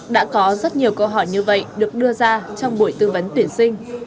đã có rất nhiều câu hỏi như vậy được đưa ra trong buổi tư vấn tuyển sinh